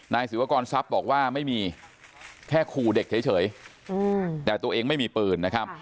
ศิวากรทรัพย์บอกว่าไม่มีแค่ขู่เด็กเฉยแต่ตัวเองไม่มีปืนนะครับ